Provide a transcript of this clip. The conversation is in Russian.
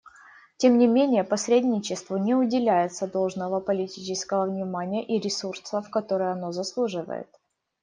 Тем не менее посредничеству не уделяется должного политического внимания и ресурсов, которых оно заслуживает.